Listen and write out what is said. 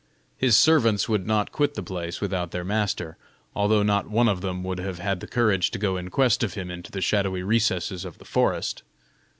His servants would not quit the place without their master, although not one of them would have had the courage to go in quest of him into the shadowy recesses of the forest.